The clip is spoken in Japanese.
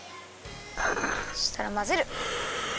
そしたらまぜる！